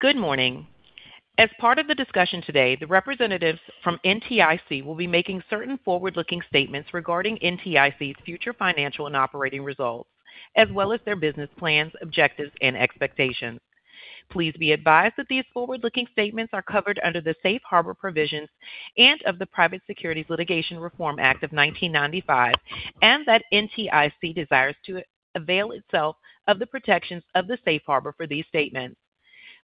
Good morning. As part of the discussion today, the representatives from NTIC will be making certain forward-looking statements regarding NTIC's future financial and operating results, as well as their business plans, objectives, and expectations. Please be advised that these forward-looking statements are covered under the Safe Harbor provisions of the Private Securities Litigation Reform Act of 1995, and that NTIC desires to avail itself of the protections of the Safe Harbor for these statements.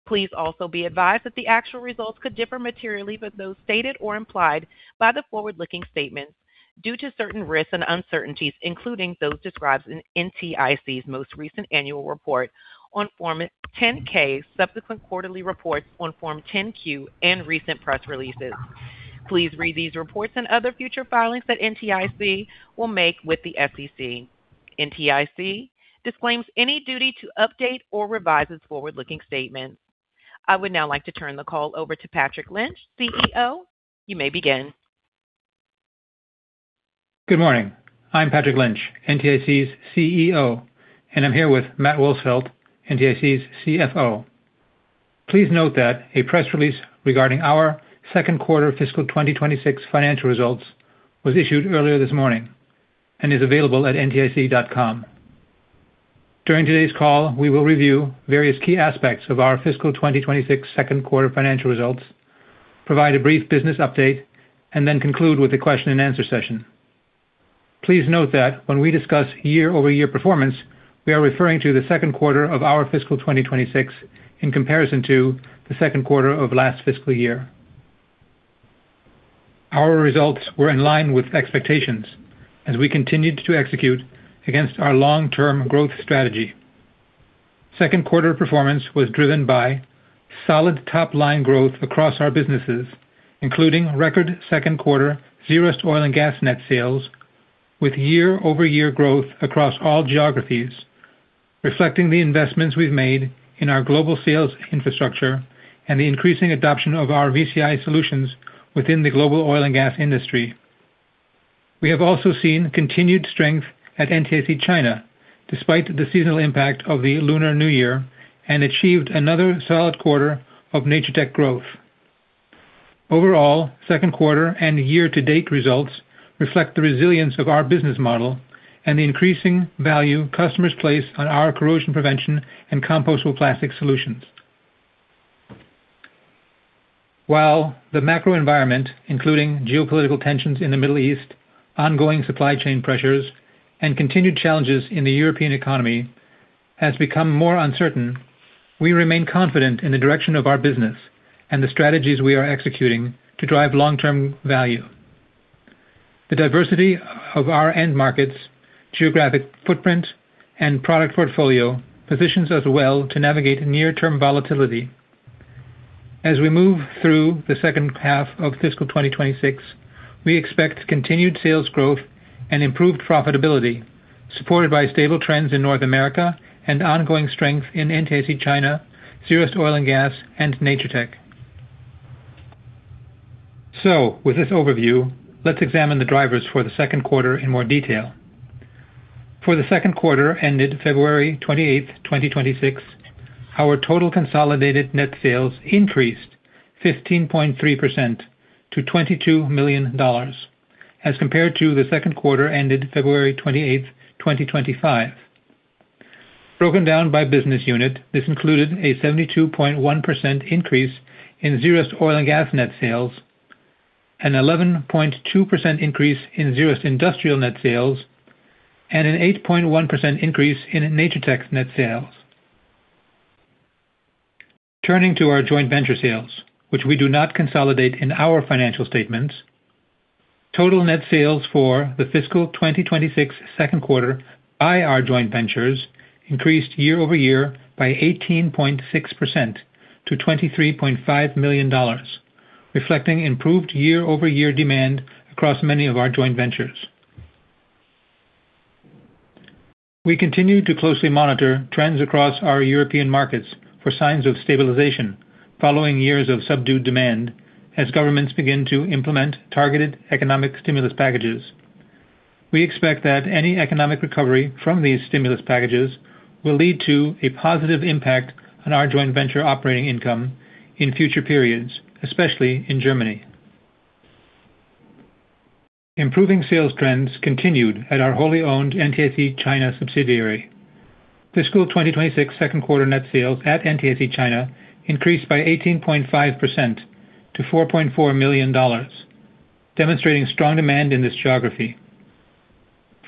Please also be advised that the actual results could differ materially from those stated or implied by the forward-looking statements due to certain risks and uncertainties, including those described in NTIC's most recent annual report on Form 10-K, subsequent quarterly reports on Form 10-Q, and recent press releases. Please read these reports and other future filings that NTIC will make with the SEC. NTIC disclaims any duty to update or revise its forward-looking statements. I would now like to turn the call over to Patrick Lynch, CEO. You may begin. Good morning. I'm Patrick Lynch, NTIC's CEO, and I'm here with Matt Wolsfeld, NTIC's CFO. Please note that a press release regarding our second quarter fiscal 2026 financial results was issued earlier this morning and is available at ntic.com. During today's call, we will review various key aspects of our fiscal 2026 second quarter financial results, provide a brief business update, and then conclude with a question-and-answer session. Please note that when we discuss year-over-year performance, we are referring to the second quarter of our fiscal 2026 in comparison to the second quarter of last fiscal year. Our results were in line with expectations as we continued to execute against our long-term growth strategy. Second quarter performance was driven by solid top-line growth across our businesses, including record second quarter Zerust Oil & Gas net sales with year-over-year growth across all geographies, reflecting the investments we've made in our global sales infrastructure and the increasing adoption of our VCI solutions within the global Oil & Gas industry. We have also seen continued strength at NTIC China, despite the seasonal impact of the Lunar New Year, and achieved another solid quarter of Natur-Tec growth. Overall, second quarter and year-to-date results reflect the resilience of our business model and the increasing value customers place on our corrosion prevention and compostable plastic solutions. While the macro environment, including geopolitical tensions in the Middle East, ongoing supply chain pressures, and continued challenges in the European economy has become more uncertain, we remain confident in the direction of our business and the strategies we are executing to drive long-term value. The diversity of our end markets, geographic footprint, and product portfolio positions us well to navigate near-term volatility. As we move through the second half of fiscal 2026, we expect continued sales growth and improved profitability, supported by stable trends in North America and ongoing strength in NTIC China, Zerust Oil & Gas, and Natur-Tec. With this overview, let's examine the drivers for the second quarter in more detail. For the second quarter ended February 28th, 2026, our total consolidated net sales increased 15.3% to $22 million as compared to the second quarter ended February 28th, 2025. Broken down by business unit, this included a 72.1% increase in Zerust Oil & Gas net sales, an 11.2% increase in Zerust Industrial net sales, and an 8.1% increase in Natur-Tec's net sales. Turning to our joint venture sales, which we do not consolidate in our financial statements, total net sales for the fiscal 2026 second quarter by our joint ventures increased year-over-year by 18.6% to $23.5 million, reflecting improved year-over-year demand across many of our joint ventures. We continue to closely monitor trends across our European markets for signs of stabilization following years of subdued demand as governments begin to implement targeted economic stimulus packages. We expect that any economic recovery from these stimulus packages will lead to a positive impact on our joint venture operating income in future periods, especially in Germany. Improving sales trends continued at our wholly owned NTIC China subsidiary. Fiscal 2026 second quarter net sales at NTIC China increased by 18.5% to $4.4 million, demonstrating strong demand in this geography.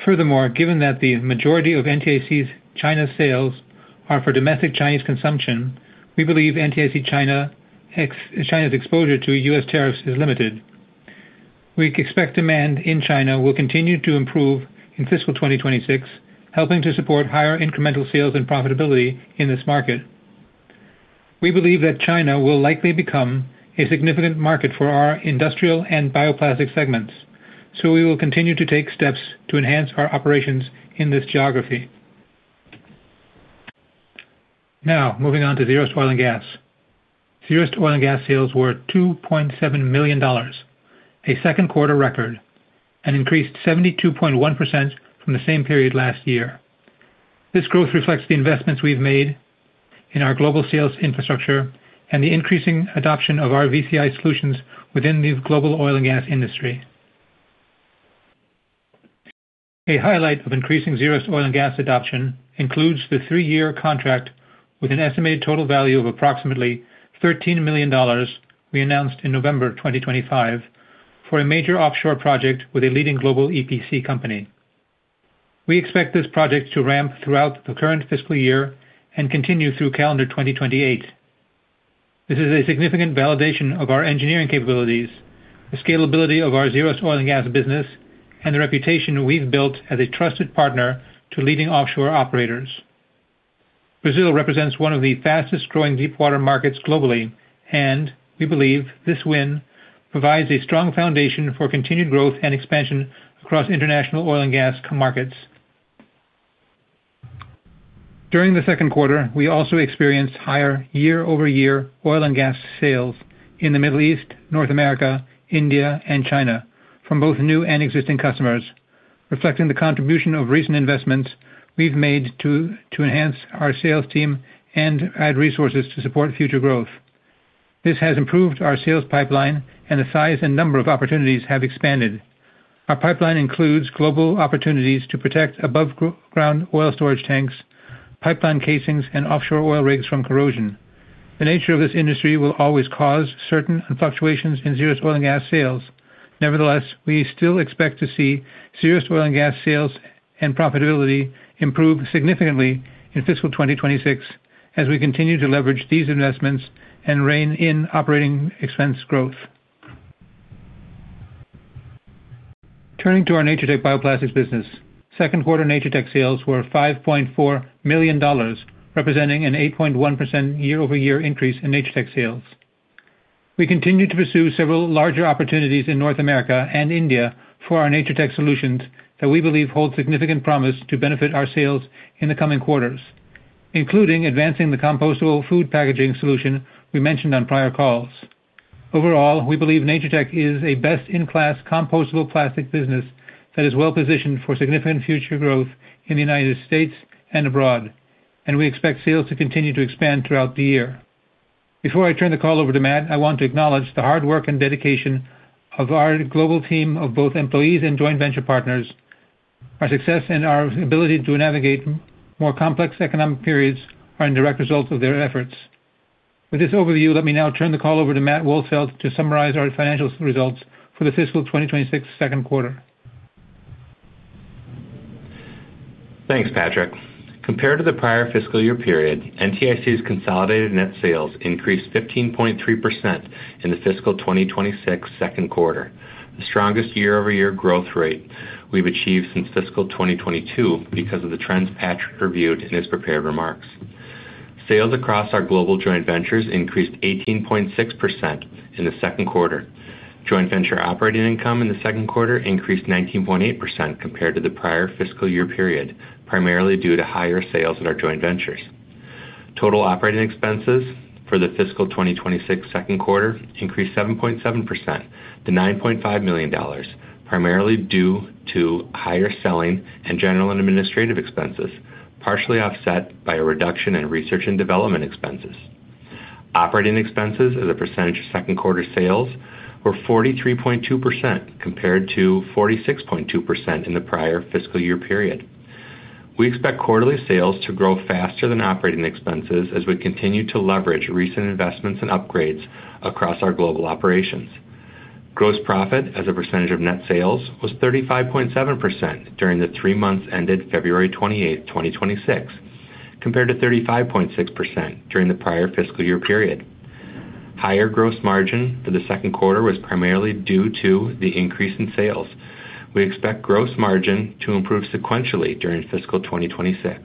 Furthermore, given that the majority of NTIC's China sales are for domestic Chinese consumption, we believe NTIC China's exposure to U.S. tariffs is limited. We expect demand in China will continue to improve in fiscal 2026, helping to support higher incremental sales and profitability in this market. We believe that China will likely become a significant market for our industrial and bioplastic segments, so we will continue to take steps to enhance our operations in this geography. Now, moving on to Zerust Oil & Gas. Zerust Oil & Gas sales were $2.7 million, a second quarter record, and increased 72.1% from the same period last year. This growth reflects the investments we've made in our global sales infrastructure and the increasing adoption of our VCI solutions within the global Oil & Gas industry. A highlight of increasing Zerust Oil & Gas adoption includes the three-year contract with an estimated total value of approximately $13 million we announced in November 2025 for a major offshore project with a leading global EPC company. We expect this project to ramp throughout the current fiscal year and continue through calendar 2028. This is a significant validation of our engineering capabilities, the scalability of our Zerust Oil & Gas business, and the reputation we've built as a trusted partner to leading offshore operators. Brazil represents one of the fastest-growing deepwater markets globally, and we believe this win provides a strong foundation for continued growth and expansion across international Oil & Gas markets. During the second quarter, we also experienced higher year-over-year Oil & Gas sales in the Middle East, North America, India, and China from both new and existing customers, reflecting the contribution of recent investments we've made to enhance our sales team and add resources to support future growth. This has improved our sales pipeline, and the size and number of opportunities have expanded. Our pipeline includes global opportunities to protect above-ground oil storage tanks, pipeline casings, and offshore oil rigs from corrosion. The nature of this industry will always cause certain fluctuations in Zerust Oil & Gas sales. Nevertheless, we still expect to see Zerust Oil & Gas sales and profitability improve significantly in fiscal 2026 as we continue to leverage these investments and rein in operating expense growth. Turning to our Natur-Tec bioplastics business. Second quarter Natur-Tec sales were $5.4 million, representing an 8.1% year-over-year increase in Natur-Tec sales. We continue to pursue several larger opportunities in North America and India for our Natur-Tec solutions that we believe hold significant promise to benefit our sales in the coming quarters, including advancing the compostable food packaging solution we mentioned on prior calls. Overall, we believe Natur-Tec is a best-in-class compostable plastic business that is well-positioned for significant future growth in the United States and abroad, and we expect sales to continue to expand throughout the year. Before I turn the call over to Matt, I want to acknowledge the hard work and dedication of our global team of both employees and joint venture partners. Our success and our ability to navigate more complex economic periods are a direct result of their efforts. With this overview, let me now turn the call over to Matt Wolsfeld to summarize our financial results for the fiscal 2026 second quarter. Thanks, Patrick. Compared to the prior fiscal year period, NTIC's consolidated net sales increased 15.3% in the fiscal 2026 second quarter, the strongest year-over-year growth rate we've achieved since fiscal 2022 because of the trends Patrick reviewed in his prepared remarks. Sales across our global joint ventures increased 18.6% in the second quarter. Joint venture operating income in the second quarter increased 19.8% compared to the prior fiscal year period, primarily due to higher sales at our joint ventures. Total operating expenses for the fiscal 2026 second quarter increased 7.7% to $9.5 million, primarily due to higher selling and general and administrative expenses, partially offset by a reduction in research and development expenses. Operating expenses as a percentage of second quarter sales were 43.2% compared to 46.2% in the prior fiscal year period. We expect quarterly sales to grow faster than operating expenses as we continue to leverage recent investments and upgrades across our global operations. Gross profit as a percentage of net sales was 35.7% during the three months ended February 28, 2026, compared to 35.6% during the prior fiscal year period. Higher gross margin for the second quarter was primarily due to the increase in sales. We expect gross margin to improve sequentially during fiscal 2026.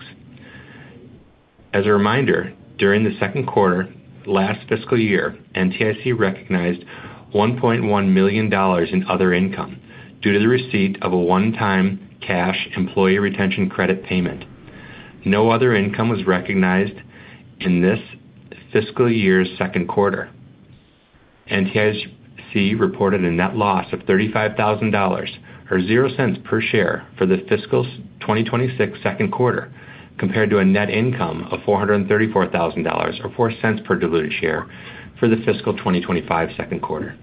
As a reminder, during the second quarter last fiscal year, NTIC recognized $1.1 million in other income due to the receipt of a one-time cash Employee Retention Credit payment. No other income was recognized in this fiscal year's second quarter. NTIC reported a net loss of $35,000 or $0.00 per share for the fiscal 2026 second quarter, compared to a net income of $434,000 or $0.04 per diluted share for the fiscal 2025 second quarter.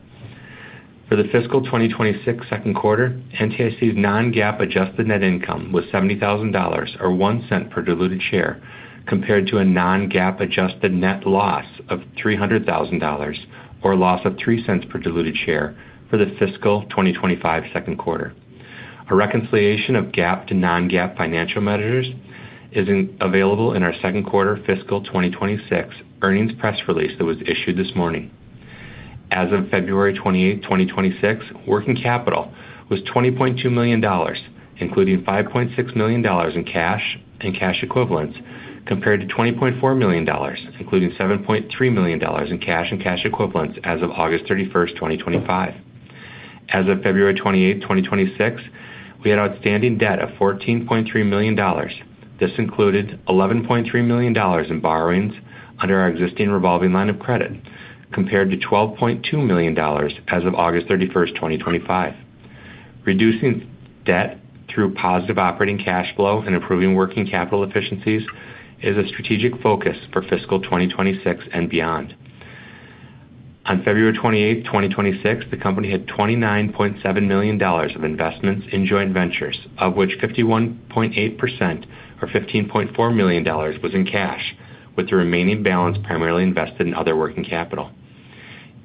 For the fiscal 2026 second quarter, NTIC's non-GAAP adjusted net income was $70,000, or $0.01 per diluted share, compared to a non-GAAP adjusted net loss of $300,000, or loss of $0.03 per diluted share for the fiscal 2025 second quarter. A reconciliation of GAAP to non-GAAP financial measures is available in our second quarter fiscal 2026 earnings press release that was issued this morning. As of February 28, 2026, working capital was $20.2 million, including $5.6 million in cash and cash equivalents, compared to $20.4 million, including $7.3 million in cash and cash equivalents as of August 31st, 2025. As of February 28th, 2026, we had outstanding debt of $14.3 million. This included $11.3 million in borrowings under our existing revolving line of credit, compared to $12.2 million as of August 31st, 2025. Reducing debt through positive operating cash flow and improving working capital efficiencies is a strategic focus for fiscal 2026 and beyond. On February 28th, 2026, the company had $29.7 million of investments in joint ventures, of which 51.8% or $15.4 million was in cash, with the remaining balance primarily invested in other working capital.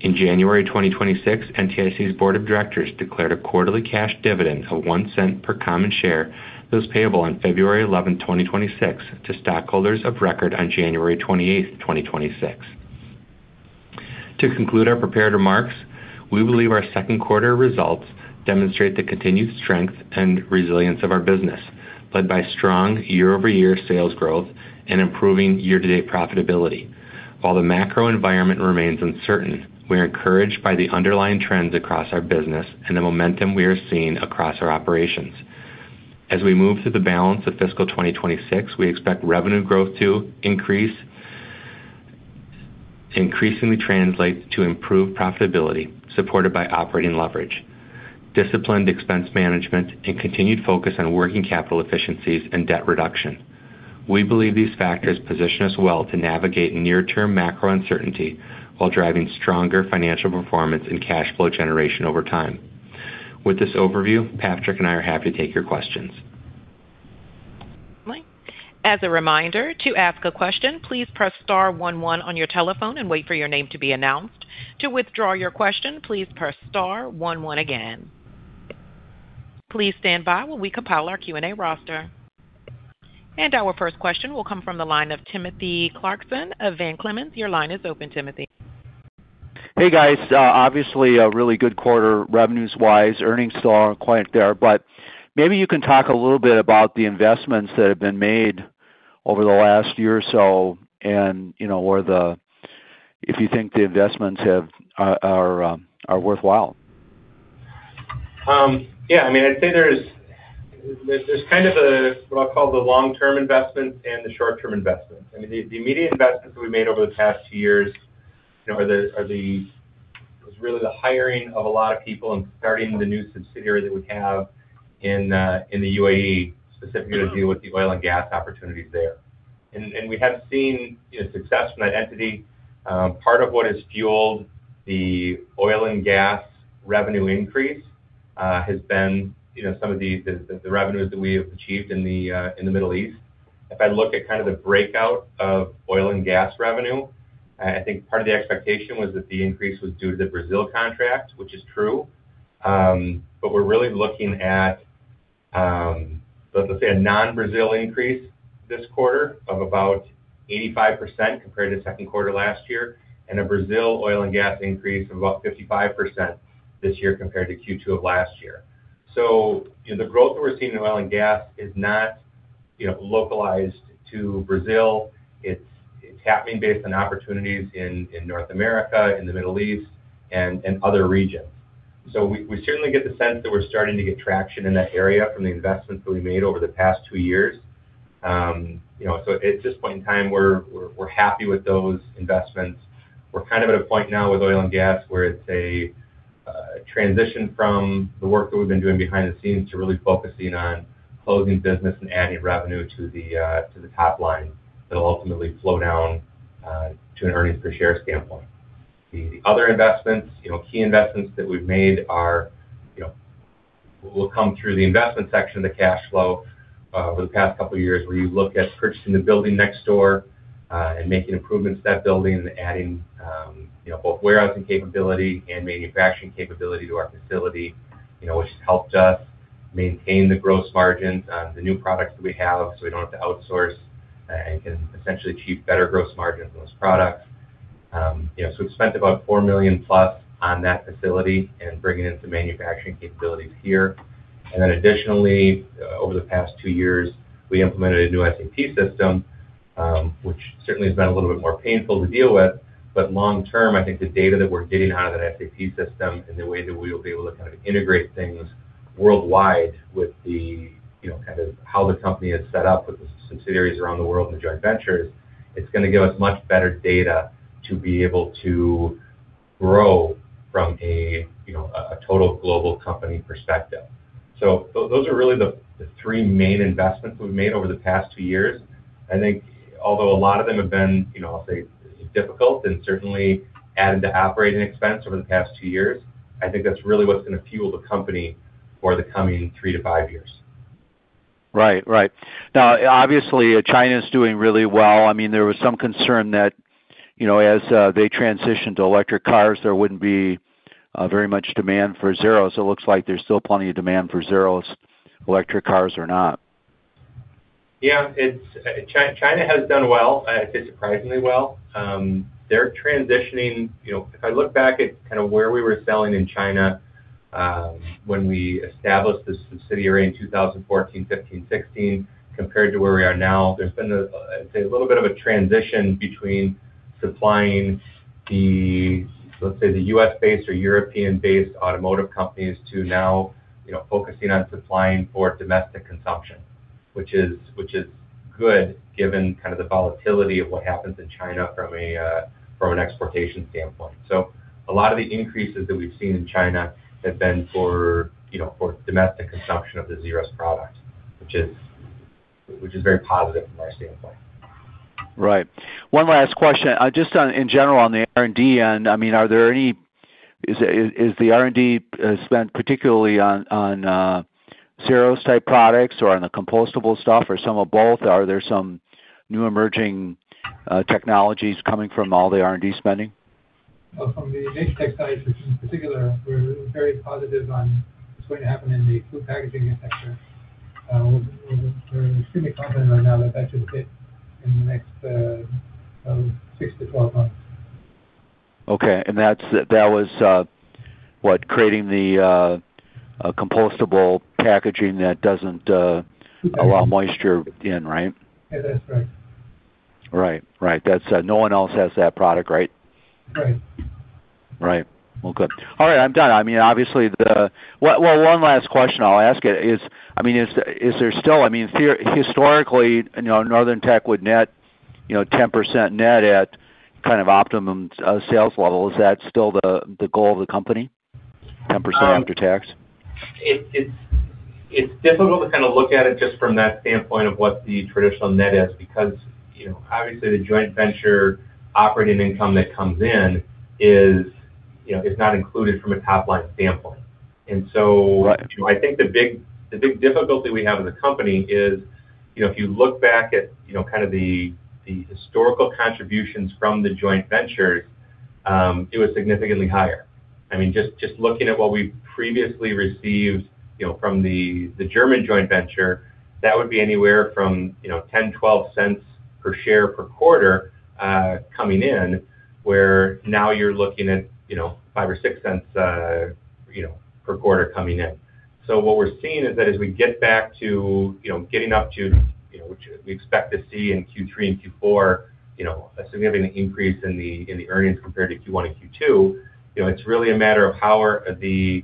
In January 2026, NTIC's Board of Directors declared a quarterly cash dividend of $0.01 per common share that was payable on February 11th, 2026 to stockholders of record on January 28th, 2026. To conclude our prepared remarks, we believe our second quarter results demonstrate the continued strength and resilience of our business, led by strong year-over-year sales growth and improving year-to-date profitability. While the macro environment remains uncertain, we're encouraged by the underlying trends across our business and the momentum we are seeing across our operations. As we move through the balance of fiscal 2026, we expect revenue growth to increase, increasingly translate to improved profitability, supported by operating leverage, disciplined expense management, and continued focus on working capital efficiencies and debt reduction. We believe these factors position us well to navigate near-term macro uncertainty while driving stronger financial performance and cash flow generation over time. With this overview, Patrick and I are happy to take your questions. As a reminder, to ask a question, please press star one one on your telephone and wait for your name to be announced. To withdraw your question, please press star one one again. Please stand by while we compile our Q&A roster. Our first question will come from the line of Timothy Clarkson of Van Clemens. Your line is open, Timothy. Hey, guys. Obviously, a really good quarter revenues-wise. Earnings still aren't quite there, but maybe you can talk a little bit about the investments that have been made over the last year or so and if you think the investments are worthwhile. Yeah. I'd say there's what I'll call the long-term investment and the short-term investment. The immediate investments we made over the past two years was really the hiring of a lot of people and starting the new subsidiary that we have in the UAE, specifically to deal with the Oil & Gas opportunities there. We have seen success from that entity. Part of what has fueled the Oil & Gas revenue increase has been some of the revenues that we have achieved in the Middle East. If I look at the breakout of Oil & Gas revenue, I think part of the expectation was that the increase was due to the Brazil contract, which is true. We're really looking at, let's say, a non-Brazil increase this quarter of about 85% compared to second quarter last year, and a Brazil Oil & Gas increase of about 55% this year compared to Q2 of last year. The growth that we're seeing in Oil & Gas is not localized to Brazil. It's happening based on opportunities in North America, in the Middle East, and other regions. We certainly get the sense that we're starting to get traction in that area from the investments that we made over the past two years. At this point in time, we're happy with those investments. We're at a point now with Oil & Gas where it's a transition from the work that we've been doing behind the scenes to really focusing on closing business and adding revenue to the top line that'll ultimately flow down to an earnings per share standpoint. The other key investments that we've made will come through the investment section of the cash flow over the past couple of years, where you look at purchasing the building next door and making improvements to that building and adding both warehousing capability and manufacturing capability to our facility, which has helped us maintain the gross margins on the new products that we have so we don't have to outsource and can essentially achieve better gross margins on those products. We've spent about $4 million+ on that facility and bringing in some manufacturing capabilities here. Additionally, over the past two years, we implemented a new SAP system, which certainly has been a little bit more painful to deal with. Long term, I think the data that we're getting out of that SAP system and the way that we will be able to integrate things worldwide with how the company is set up with the subsidiaries around the world and the joint ventures, it's going to give us much better data to be able to grow from a total global company perspective. Those are really the three main investments we've made over the past two years. I think although a lot of them have been, I'll say, difficult and certainly added to operating expense over the past two years, I think that's really what's going to fuel the company for the coming three to five years. Right. Now, obviously, China's doing really well. There was some concern that as they transition to electric cars, there wouldn't be very much demand for Zerust. It looks like there's still plenty of demand for Zerust, electric cars or not. Yeah. China has done well, I'd say surprisingly well. They're transitioning. If I look back at where we were selling in China when we established the subsidiary in 2014, 2015, 2016, compared to where we are now, there's been a, I'd say, little bit of a transition between supplying the, let's say, the U.S.-based or European-based automotive companies to now focusing on supplying for domestic consumption, which is good given the volatility of what happens in China from an exportation standpoint. A lot of the increases that we've seen in China have been for domestic consumption of the Zerust product, which is very positive from our standpoint. Right. One last question. Just in general, on the R&D end, is the R&D spent particularly on Zerust-type products or on the compostable stuff, or some of both? Are there some new emerging technologies coming from all the R&D spending? From the Natur-Tec side in particular, we're very positive on what's going to happen in the food packaging sector. We're seeing the content right now that should hit in the next six to 12 months. Okay. That was what? Creating the compostable packaging that doesn't allow moisture in, right? Yeah, that's right. Right. No one else has that product, right? Right. Right. Well, good. All right, I'm done. One last question I'll ask you is, historically, Northern Technologies would net 10% net at optimum sales level. Is that still the goal of the company, 10% after tax? It's difficult to look at it just from that standpoint of what the traditional net is, because obviously, the joint venture operating income that comes in is not included from a top-line standpoint. Right. I think the big difficulty we have as a company is, if you look back at the historical contributions from the joint ventures, it was significantly higher. Just looking at what we previously received from the German joint venture, that would be anywhere from $0.10-$0.12 per share per quarter coming in, where now you're looking at $0.05 or $0.06 per quarter coming in. What we're seeing is that as we get back to getting up to, which we expect to see in Q3 and Q4, a significant increase in the earnings compared to Q1 and Q2. It's really a matter of how are the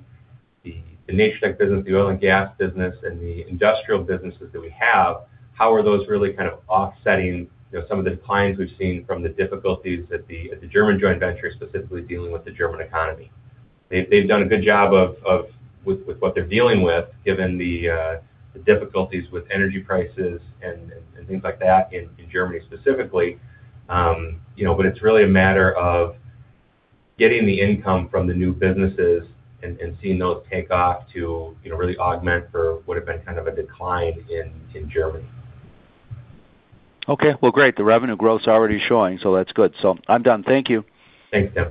Natur-Tec business, the Oil & Gas business, and the industrial businesses that we have, how are those really offsetting some of the declines we've seen from the difficulties at the German joint venture, specifically dealing with the German economy? They've done a good job with what they're dealing with, given the difficulties with energy prices and things like that in Germany specifically. It's really a matter of getting the income from the new businesses and seeing those take off to really augment for what have been kind of a decline in Germany. Okay. Well, great. The revenue growth's already showing, so that's good. I'm done. Thank you. Thanks, Tim.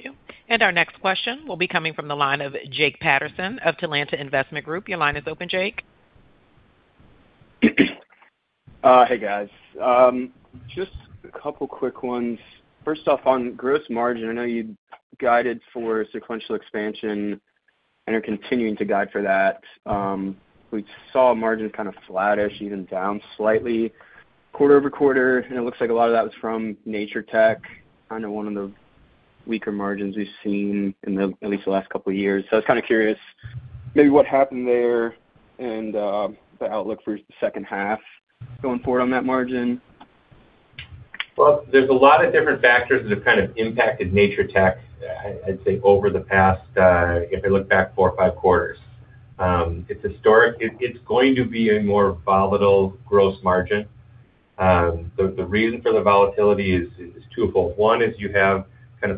Thank you. Our next question will be coming from the line of Jake Patterson of Talanta Investment Group. Your line is open, Jake. Hey, guys. Just a couple quick ones. First off, on gross margin, I know you guided for sequential expansion and are continuing to guide for that. We saw margin kind of flattish even down slightly quarter-over-quarter, and it looks like a lot of that was from Natur-Tec, kind of one of the weaker margins we've seen in at least the last couple of years. I was kind of curious maybe what happened there and the outlook for the second half going forward on that margin. Well, there's a lot of different factors that have impacted Natur-Tec, I'd say over the past, if I look back four or five quarters. It's going to be a more volatile gross margin. The reason for the volatility is twofold. One is you have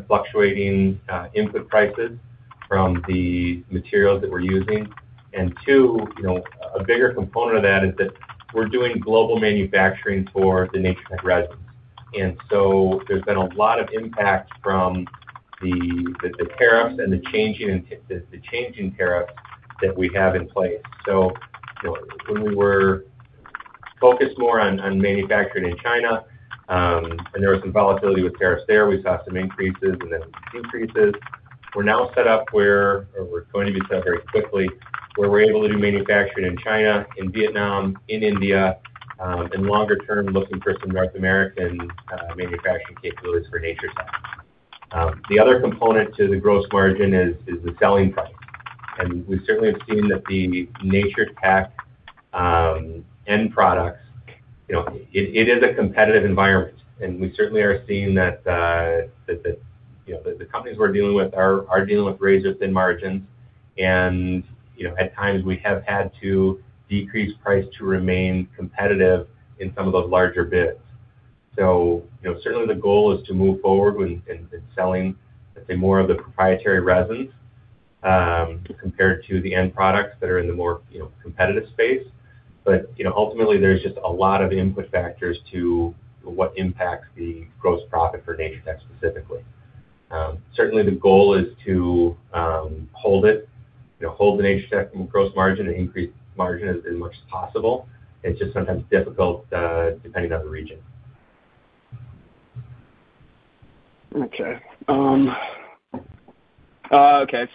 fluctuating input prices from the materials that we're using. Two, a bigger component of that is that we're doing global manufacturing for the Natur-Tec resins. There's been a lot of impact from the tariffs and the changing tariffs that we have in place. When we were focused more on manufacturing in China, and there was some volatility with tariffs there, we saw some increases and then decreases. We're going to be set very quickly, where we're able to do manufacturing in China, in Vietnam, in India, and longer term, looking for some North American manufacturing capabilities for Natur-Tec. The other component to the gross margin is the selling price. We certainly have seen that the Natur-Tec end products, it is a competitive environment. We certainly are seeing that the companies we're dealing with are dealing with razor-thin margins, and at times, we have had to decrease price to remain competitive in some of those larger bids. Certainly the goal is to move forward with selling, let's say, more of the proprietary resins, compared to the end products that are in the more competitive space. Ultimately, there's just a lot of input factors to what impacts the gross profit for Natur-Tec specifically. Certainly, the goal is to hold the Natur-Tec gross margin and increase margin as much as possible. It's just sometimes difficult depending on the region. Okay.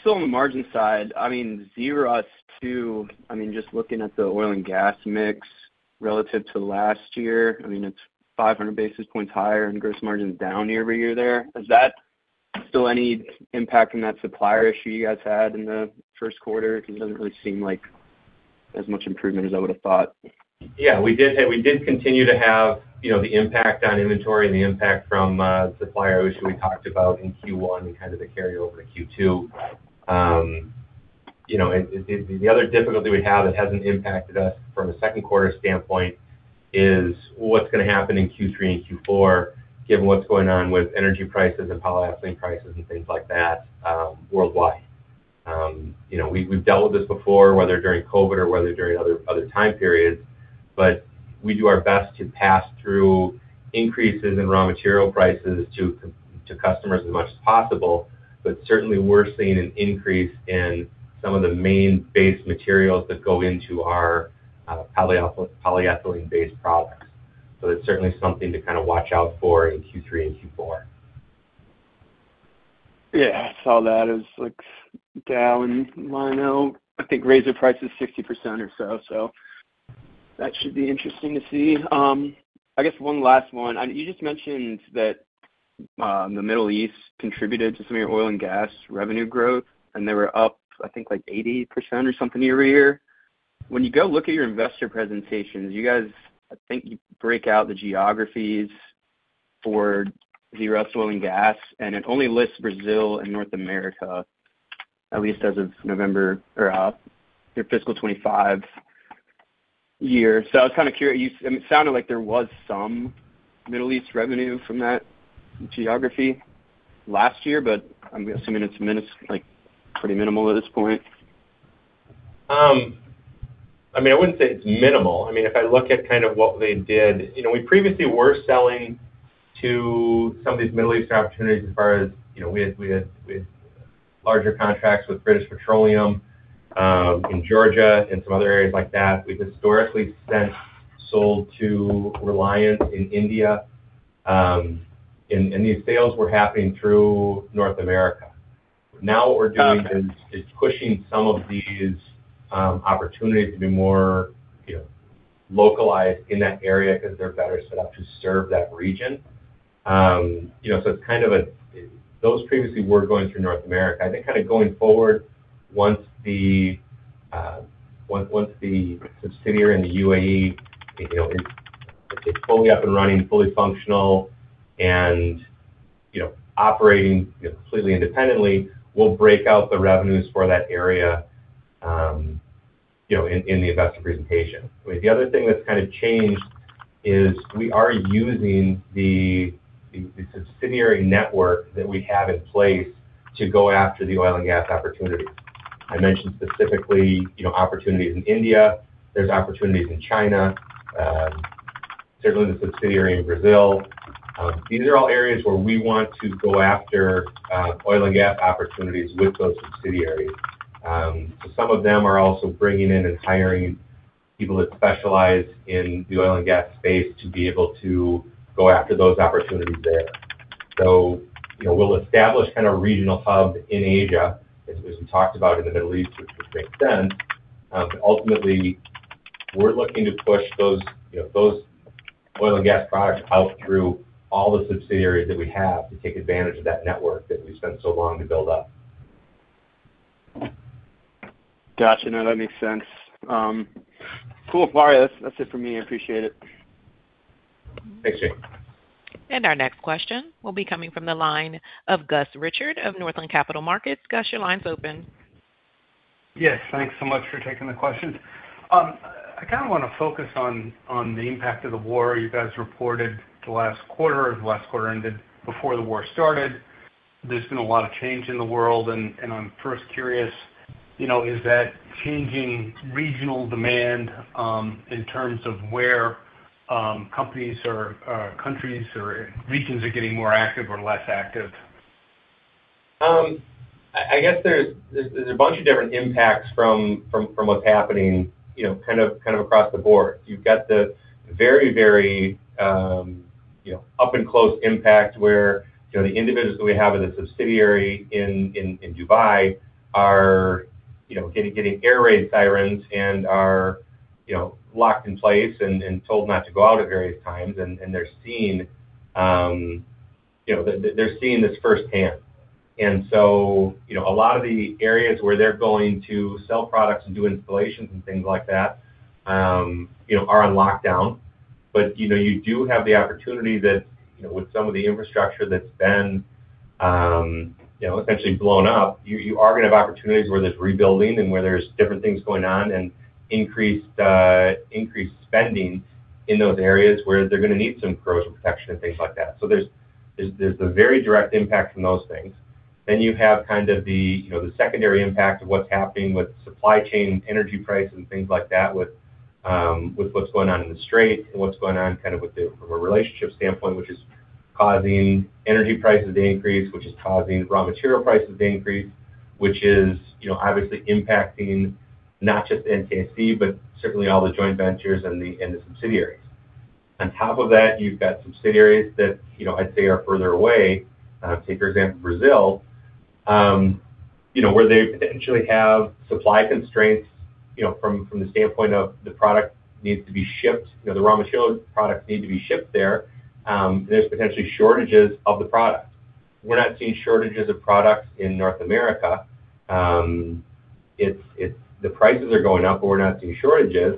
Still on the margin side, Zerust too, just looking at the Oil & Gas mix relative to last year, it's 500 basis points higher and gross margin's down year-over-year there. Is that still any impact from that supplier issue you guys had in the first quarter? Because it doesn't really seem like as much improvement as I would've thought. Yeah. We did continue to have the impact on inventory and the impact from a supplier issue we talked about in Q1 and the carryover to Q2. The other difficulty we have that hasn't impacted us from a second quarter standpoint is what's going to happen in Q3 and Q4 given what's going on with energy prices and polyethylene prices and things like that worldwide. We've dealt with this before, whether during COVID or whether during other time periods. We do our best to pass through increases in raw material prices to customers as much as possible. Certainly, we're seeing an increase in some of the main base materials that go into our polyethylene-based products. That's certainly something to watch out for in Q3 and Q4. Yeah. I saw that as down, [lyno]. I think resin price is 60% or so that should be interesting to see. I guess one last one. You just mentioned that the Middle East contributed to some of your Oil & Gas revenue growth, and they were up, I think, 80% or something year-over-year. When you go look at your investor presentations, you guys, I think you break out the geographies for Zerust Oil & Gas, and it only lists Brazil and North America, at least as of November or your fiscal 2025 year. So I was kind of curious. It sounded like there was some Middle East revenue from that geography last year, but I'm assuming it's pretty minimal at this point. I wouldn't say it's minimal. If I look at what they did, we previously were selling to some of these Middle East opportunities as far as we had larger contracts with British Petroleum in Georgia and some other areas like that. We've historically sold to Reliance in India. These sales were happening through North America. Now what we're doing is pushing some of these opportunities to be more localized in that area because they're better set up to serve that region. Those previously were going through North America. I think going forward, once the subsidiary in the UAE is fully up and running, fully functional, and operating completely independently, we'll break out the revenues for that area in the investor presentation. The other thing that's changed is we are using the subsidiary network that we have in place to go after the Oil & Gas opportunities. I mentioned specifically, opportunities in India. There's opportunities in China, certainly the subsidiary in Brazil. These are all areas where we want to go after Oil & Gas opportunities with those subsidiaries. Some of them are also bringing in and hiring people that specialize in the Oil & Gas space to be able to go after those opportunities there. We'll establish a regional hub in Asia, as we talked about in the Middle East to a certain extent. Ultimately, we're looking to push those Oil & Gas products out through all the subsidiaries that we have to take advantage of that network that we spent so long to build up. Got you. No, that makes sense. Cool. All right. That's it for me. I appreciate it. Thanks, Jake. Our next question will be coming from the line of Gus Richard of Northland Capital Markets. Gus, your line's open. Yes. Thanks so much for taking the question. I want to focus on the impact of the war. You guys reported the last quarter. The last quarter ended before the war started. There's been a lot of change in the world, and I'm first curious, is that changing regional demand in terms of where companies or countries or regions are getting more active or less active? I guess there's a bunch of different impacts from what's happening across the board. You've got the very up and close impact where the individuals that we have in the subsidiary in Dubai are getting air raid sirens and are locked in place and told not to go out at various times. They're seeing this firsthand. A lot of the areas where they're going to sell products and do installations and things like that are on lockdown. You do have the opportunity that with some of the infrastructure that's been essentially blown up, you are going to have opportunities where there's rebuilding and where there's different things going on and increased spending in those areas where they're going to need some corrosion protection and things like that. There's a very direct impact from those things. You have the secondary impact of what's happening with supply chain, energy price, and things like that with what's going on in the Strait and what's going on from a relationship standpoint, which is causing energy prices to increase, which is causing raw material prices to increase, which is obviously impacting not just NTIC, but certainly all the joint ventures and the subsidiaries. On top of that, you've got subsidiaries that I'd say are further away. Take, for example, Brazil, where they potentially have supply constraints from the standpoint of the product needs to be shipped, the raw material products need to be shipped there. There's potentially shortages of the product. We're not seeing shortages of product in North America. The prices are going up, but we're not seeing shortages,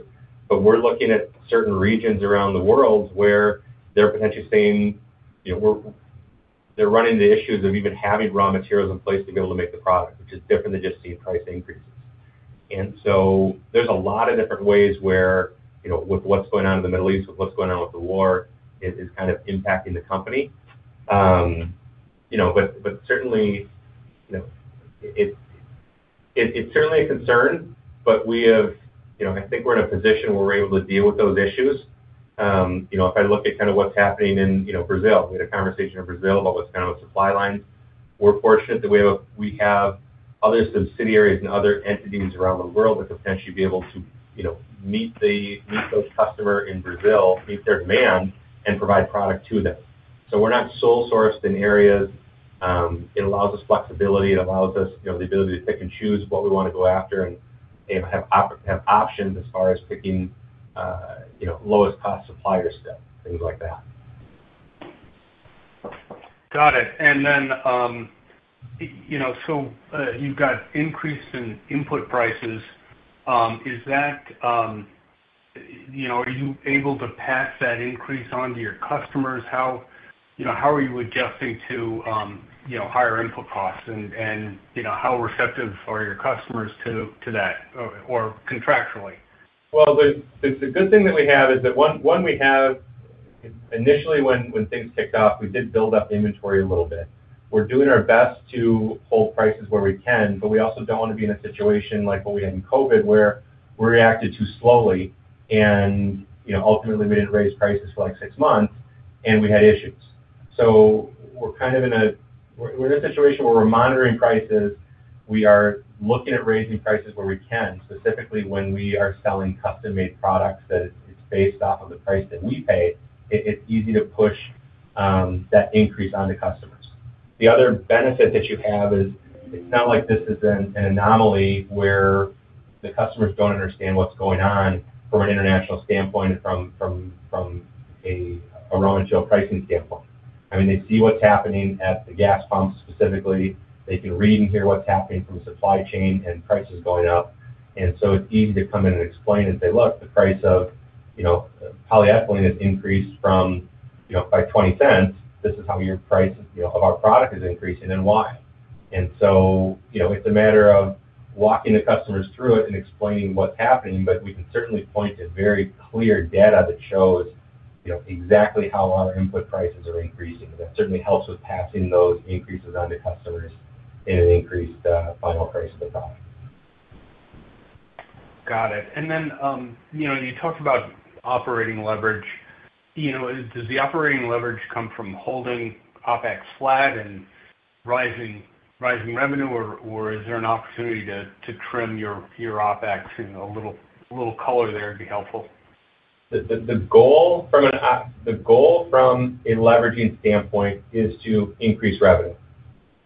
but we're looking at certain regions around the world where they're running into issues of even having raw materials in place to be able to make the product, which is different than just seeing price increases. There's a lot of different ways where, with what's going on in the Middle East, with what's going on with the war, is kind of impacting the company. It's certainly a concern, but I think we're in a position where we're able to deal with those issues. If I look at kind of what's happening in Brazil, we had a conversation in Brazil about what's going on with supply lines. We're fortunate that we have other subsidiaries and other entities around the world that could potentially be able to meet those customers in Brazil, meet their demand, and provide product to them. We're not sole sourced in areas. It allows us flexibility. It allows us the ability to pick and choose what we want to go after and have options as far as picking lowest cost suppliers then, things like that. Got it. You've got an increase in input prices. Are you able to pass that increase on to your customers? How are you adjusting to higher input costs? How receptive are your customers to that, or contractually? Well, the good thing that we have is that, one, initially when things kicked off, we did build up inventory a little bit. We're doing our best to hold prices where we can, but we also don't want to be in a situation like what we had in COVID, where we reacted too slowly, and ultimately, we didn't raise prices for six months, and we had issues. We're in a situation where we're monitoring prices. We are looking at raising prices where we can, specifically when we are selling custom-made products that it's based off of the price that we pay. It's easy to push that increase onto customers. The other benefit that you have is it's not like this is an anomaly where the customers don't understand what's going on from an international standpoint and from a raw material pricing standpoint. I mean, they see what's happening at the gas pumps specifically. They can read and hear what's happening from supply chain and prices going up. It's easy to come in and explain and say, "Look, the price of polyethylene has increased by $0.20. This is how your price of our product is increasing and why." It's a matter of walking the customers through it and explaining what's happening, but we can certainly point to very clear data that shows exactly how our input prices are increasing, and that certainly helps with passing those increases onto customers in an increased final price of the product. Got it. You talked about operating leverage. Does the operating leverage come from holding OpEx flat and rising revenue, or is there an opportunity to trim your OpEx? A little color there would be helpful. The goal from a leveraging standpoint is to increase revenue.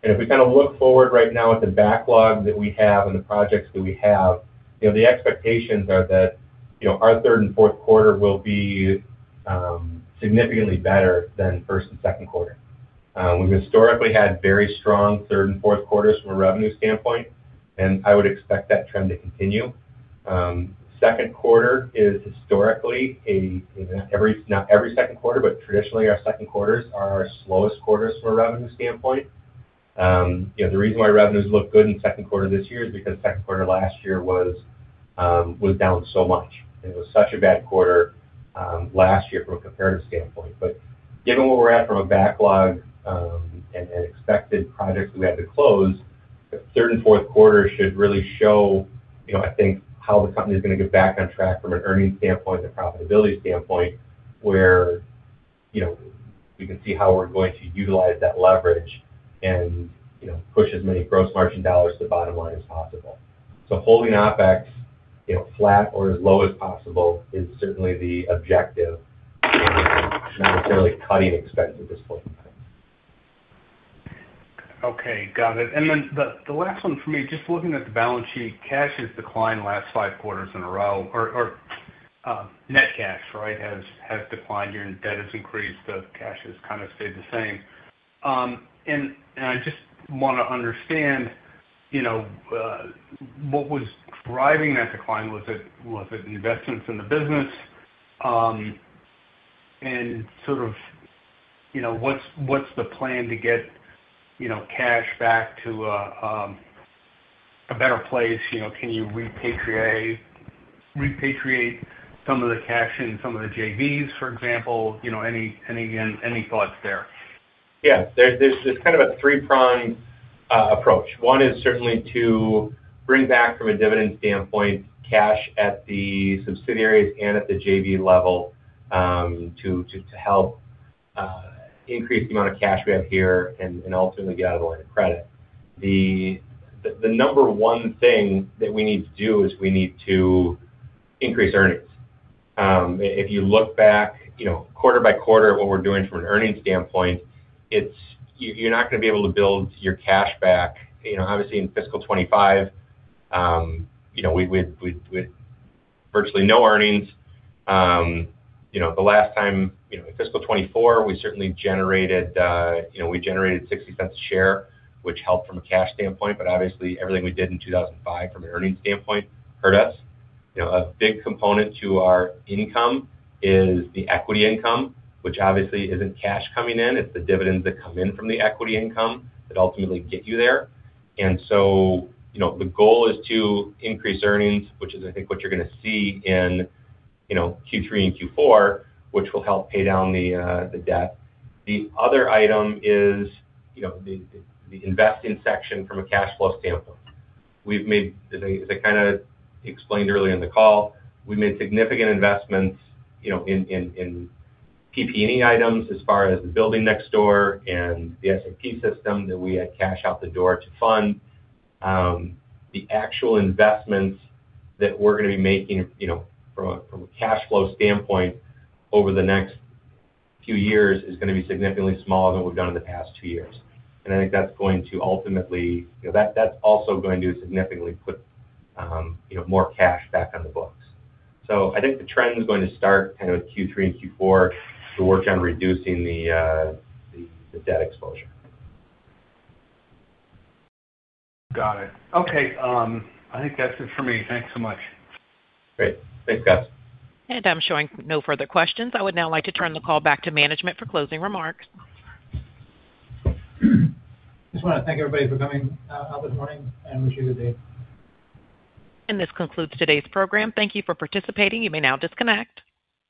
If we kind of look forward right now at the backlog that we have and the projects that we have, the expectations are that our third and fourth quarter will be significantly better than first and second quarter. We've historically had very strong third and fourth quarters from a revenue standpoint, and I would expect that trend to continue. Second quarter is historically, not every second quarter, but traditionally our second quarters are our slowest quarters from a revenue standpoint. The reason why revenues look good in second quarter this year is because second quarter last year was down so much. It was such a bad quarter last year from a comparative standpoint. Given where we're at from a backlog and expected projects we had to close, the third and fourth quarter should really show I think how the company's going to get back on track from an earnings standpoint and profitability standpoint, where we can see how we're going to utilize that leverage and push as many gross margin dollars to the bottom line as possible. Holding OpEx flat or as low as possible is certainly the objective, not necessarily cutting expenses at this point in time. Okay. Got it. The last one for me, just looking at the balance sheet, cash has declined last five quarters in a row or net cash has declined here, and debt has increased. The cash has kind of stayed the same. I just want to understand what was driving that decline. Was it the investments in the business? Sort of what's the plan to get cash back to a better place? Can you repatriate some of the cash in some of the JVs, for example? Any thoughts there? Yeah. There's kind of a three-pronged approach. One is certainly to bring back, from a dividend standpoint, cash at the subsidiaries and at the JV level to help increase the amount of cash we have here and ultimately get out of the line of credit. The number one thing that we need to do is we need to increase earnings. If you look back quarter by quarter at what we're doing from an earnings standpoint, you're not going to be able to build your cash back. Obviously, in fiscal 2025 with virtually no earnings. The last time, in fiscal 2024, we certainly generated $0.60 a share, which helped from a cash standpoint. Obviously, everything we did in 2024, from an earnings standpoint, hurt us. A big component to our income is the equity income, which obviously isn't cash coming in. It's the dividends that come in from the equity income that ultimately get you there. The goal is to increase earnings, which is, I think, what you're going to see in Q3 and Q4, which will help pay down the debt. The other item is the investing section from a cash flow standpoint. As I explained earlier in the call, we made significant investments in PP&E items as far as the building next door and the SAP system that we had cash out the door to fund. The actual investments that we're going to be making from a cash flow standpoint over the next few years is going to be significantly smaller than we've done in the past two years. I think that's also going to significantly put more cash back on the books. I think the trend is going to start kind of Q3 and Q4 to work on reducing the debt exposure. Got it. Okay. I think that's it for me. Thanks so much. Great. Thanks, Gus. I'm showing no further questions. I would now like to turn the call back to management for closing remarks. just want to thank everybody for coming out this morning and wish you a good day. This concludes today's program. Thank you for participating. You may now disconnect.